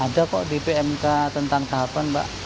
ada kok di pmk tentang tahapan mbak